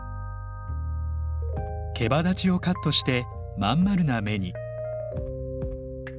けばだちをカットして真ん丸な目に。